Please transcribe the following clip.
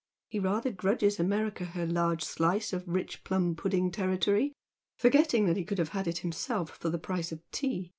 He rather grudges America her large slice of rich plum pudding territory, forgetting that he could have had it himself for the price of tea.